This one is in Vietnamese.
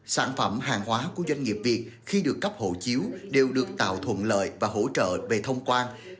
sản phẩm hàng hóa của doanh nghiệp việt khi được cấp hộ chiếu đều được tạo thuận lợi và hỗ trợ về thông quan